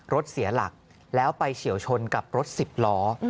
รถเสียหลักแล้วไปเฉียวชนกับรถสิบล้อ